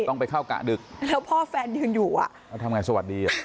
ต้องไปเข้ากะดึกแล้วพ่อแฟนยืนอยู่อ่ะแล้วทำไงสวัสดีอ่ะ